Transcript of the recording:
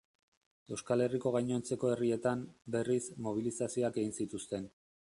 Euskal Herriko gainontzeko herrietan, berriz, mobilizazioak egin zituzten.